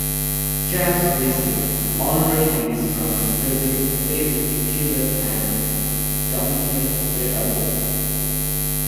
Schatz received honorary degrees from Brazil, Peru, Chile and the Dominican Republic.